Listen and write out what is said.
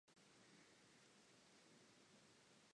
Like the other cranial bones it is classed as a flat bone.